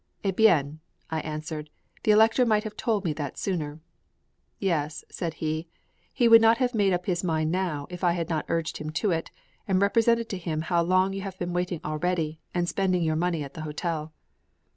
"Eh bien!" I answered, "the Elector might have told me that sooner." "Yes," said he, "he would not have made up his {MANNHEIM.} (398) mind now if I had not urged him to it, and represented to him how long you had been waiting already, and spending your money at the hotel."